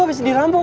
lu abis dirampok